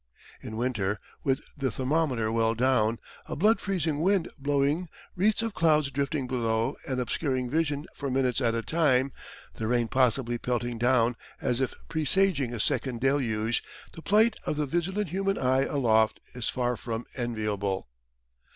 In winter, with the thermometer well down, a blood freezing wind blowing, wreaths of clouds drifting below and obscuring vision for minutes at a time, the rain possibly pelting down as if presaging a second deluge, the plight of the vigilant human eye aloft is far from enviable.